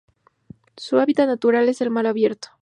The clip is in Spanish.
Su hábitat natural es el mar abierto.